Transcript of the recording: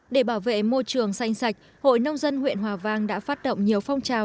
để bảo vệ môi trường xanh sạch hội nông dân huyện hòa vang đã phát động nhiều phong trào